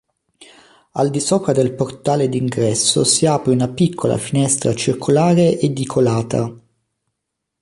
Al di sopra del portale d'ingresso si apre una piccola finestra circolare edicolata.